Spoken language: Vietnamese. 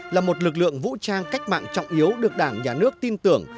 là một lực lượng vũ trang cách mạng trọng yếu được đảng nhà nước tin tưởng